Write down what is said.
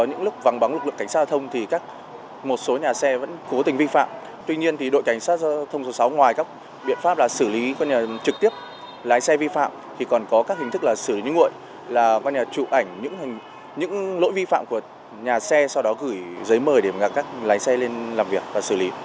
những lỗi vi phạm của nhà xe sau đó gửi giấy mời để các lái xe lên làm việc và xử lý